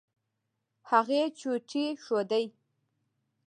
هغې چوټې ښودې.